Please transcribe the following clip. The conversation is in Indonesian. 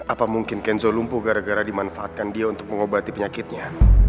apa mungkin kenzo lumpuh gara gara dimanfaatkan dia untuk mengobati penyakitnya